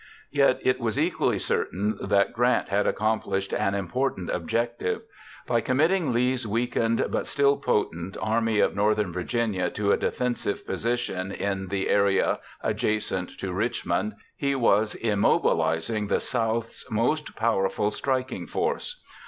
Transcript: Yet it was equally certain that Grant had accomplished an important objective. By committing Lee's weakened but still potent Army of Northern Virginia to a defensive position in the area adjacent to Richmond, he was immobilizing the South's most powerful striking force.